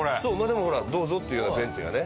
でもほらどうぞというようなベンチがね。